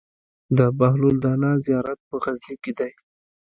د بهلول دانا زيارت په غزنی کی دی